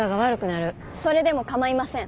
それでも構いません。